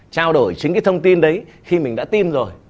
trao đổi chính cái thông tin đấy khi mình đã tin rồi